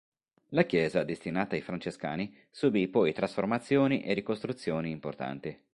La chiesa, destinata ai francescani, subì poi trasformazioni e ricostruzioni importanti.